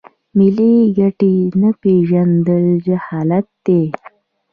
ملي ګټې نه پیژندل جهالت دی.